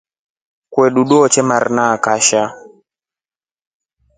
Kwamotru twete mafina akasha.